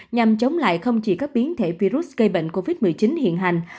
nhằm chống lại không chỉ các biến thể virus gây bệnh covid một mươi chín hiện hành